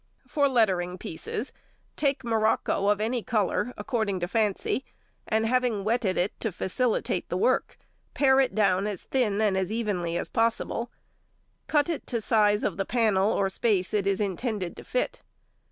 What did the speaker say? For lettering pieces, take morocco of any colour, according to fancy, and having wetted it to facilitate the work, pare it down as thin and as evenly as possible. Cut it to size of the panel or space it is intended to fit.